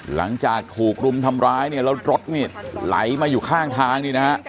หลังจากถูกรุมทำร้ายแล้วรถไหลมาอยู่ข้างทาง